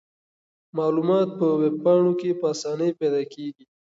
معلومات په ویب پاڼو کې په اسانۍ پیدا کیږي.